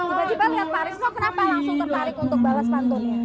tiba tiba melihat pak risno kenapa langsung tertarik untuk balas pantunnya